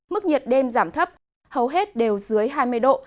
mức nhiệt đêm giảm thấp hầu hết đều dưới hai mươi độ